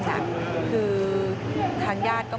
พบหน้าลูกแบบเป็นร่างไร้วิญญาณ